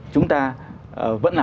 chúng ta vẫn là